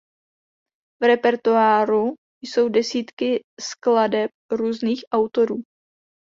V repertoáru jsou desítky skladeb různých autorů.